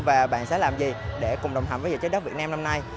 và bạn sẽ làm gì để cùng đồng hành với dự trái đất việt nam năm nay